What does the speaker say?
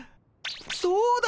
そうだ！